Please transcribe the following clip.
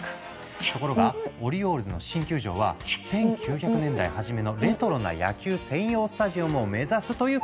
ところがオリオールズの新球場は１９００年代初めのレトロな野球専用スタジアムを目指すという計画。